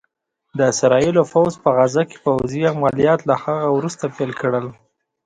د اسرائيلو پوځ په غزه کې پوځي عمليات له هغه وروسته پيل کړل